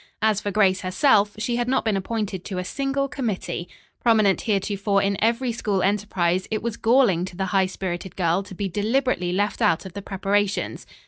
As for Grace herself, she had not been appointed to a single committee. Prominent heretofore in every school enterprise, it was galling to the high spirited girl to be deliberately left out of the preparations.